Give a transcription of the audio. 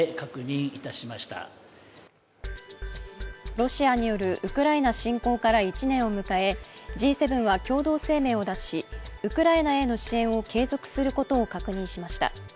ロシアによるウクライナ侵攻から１年を迎え、Ｇ７は共同声明を出しウクライナへの支援を継続することを確認しました。